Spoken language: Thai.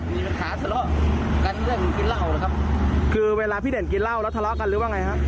มีปัญหาทะเลาะกันเรื่องกินเหล้านะครับคือเวลาพี่เด่นกินเหล้าแล้วทะเลาะกันหรือว่าไงฮะ